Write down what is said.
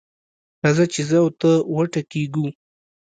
راځه چې زه او ته وټکېږو.